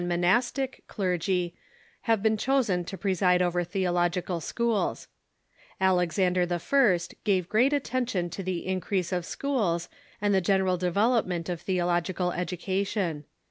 nionastic, clergy have been chosen to preside Education ,'^•' i over theological schools. Alexander I. gave great attention to the increase of schools and the general develop ment of theological education.